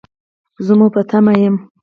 زه مو په تمه یم